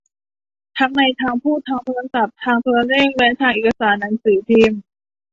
ทั้งในทางพูด ทางโทรศัพท์ ทางโทรเลข และทางเอกสารหนังสือพิมพ์